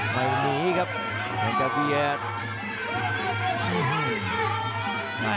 ไปหนีครับอยากจะเบียด